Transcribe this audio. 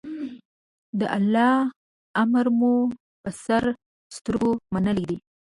د الله امر مو په سر سترګو منلی دی.